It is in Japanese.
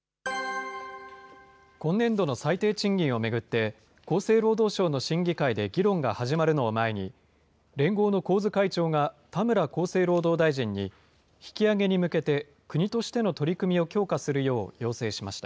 今年度の最低賃金を巡って、厚生労働省の審議会で議論が始まるのを前に、連合の神津会長が田村厚生労働大臣に、引き上げに向けて、国としての取り組みを強化するよう要請しました。